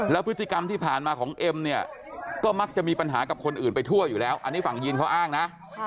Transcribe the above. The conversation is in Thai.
แล้วพฤติกรรมที่ผ่านมาของเอ็มเนี่ยก็มักจะมีปัญหากับคนอื่นไปทั่วอยู่แล้วอันนี้ฝั่งยีนเขาอ้างนะ